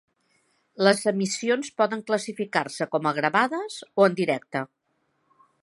Les emissions poden classificar-se com a "gravades" o "en directe".